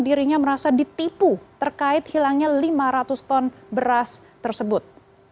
dirinya merasa ditipu terkait hilangnya lima ratus ton beras tersebut